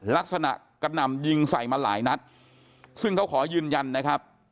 ลักษณะกระหน่ำยิงใส่มาหลายนัดซึ่งเขาขอยืนยันนะครับ